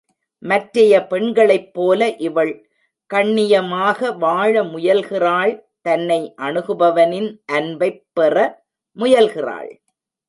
மற்றைய பெண்களைப் போல இவள் கண்ணியமாக வாழ முயல்கிறாள் தன்னை அணுகுபவனின் அன்பைப் பெற முயல்கிறாள்.